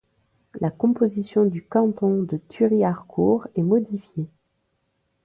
La composition du canton de Thury-Harcourt est modifiée.